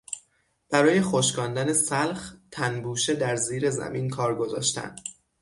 برای خشکاندن سلخ، تنبوشه در زیر زمین کار گذاشتن